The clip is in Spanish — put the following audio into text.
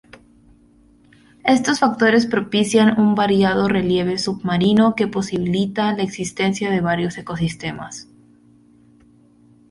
Estos factores propician un variado relieve submarino que posibilita la existencia de varios ecosistemas.